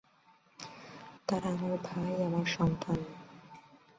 তারা আমার ভাই, আমার সন্তান।